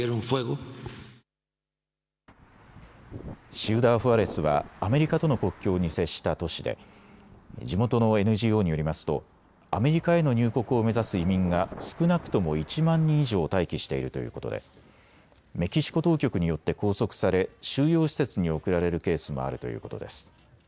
シウダー・フアレスはアメリカとの国境に接した都市で地元のＮＧＯによりますとアメリカへの入国を目指す移民が少なくとも１万人以上待機しているということでメキシコ当局によって拘束され収容施設に送られるケースもあるということです。